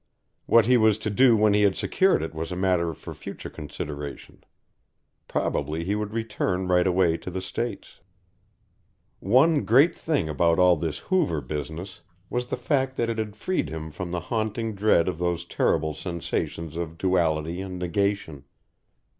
What he was to do when he had secured it was a matter for future consideration. Probably he would return right away to the States. One great thing about all this Hoover business was the fact that it had freed him from the haunting dread of those terrible sensations of duality and negation.